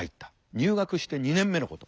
入学して２年目のこと。